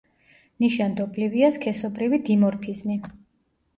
ნიშანდობლივია სქესობრივი დიმორფიზმი.